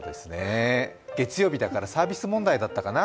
月曜日だからサービス問題だったかな。